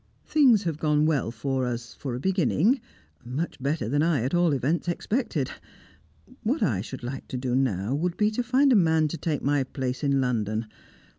Things have gone well with us, for a beginning; much better than I, at all events, expected. What I should like to do, now, would be to find a man to take my place in London.